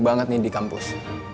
banget nih di kampus